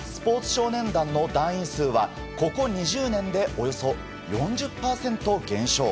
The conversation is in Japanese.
少年団の団員数はここ２０年でおよそ４０％減少。